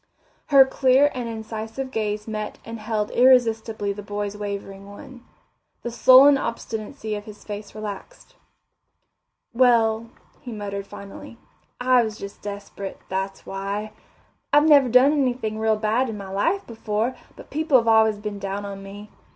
Her clear and incisive gaze met and held irresistibly the boy's wavering one. The sullen obstinacy of his face relaxed. "Well," he muttered finally, "I was just desperate, that's why. I've never done anything real bad in my life before, but people have always been down on me.